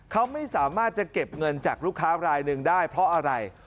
เขาไม่สามารถจะเก็บเงินจากลูกค้ารายหนึ่งได้เพราะอะไร